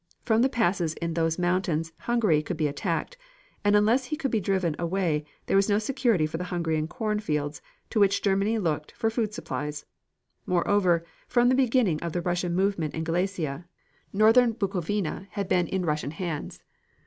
From the passes in those mountains Hungary could be attacked, and unless he could be driven away there was no security for the Hungarian cornfields, to which Germany was looking for food supplies. Moreover, from the beginning of the Russian movement in Galicia, northern Bukovina had been in Russian hands.